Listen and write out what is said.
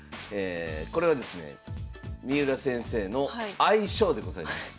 これはですね三浦先生の愛称でございます。